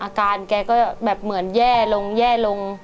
อาการแกก็แบบเหมือนแย่ลงแย่ลง